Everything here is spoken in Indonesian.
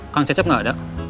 kang cecep gak ada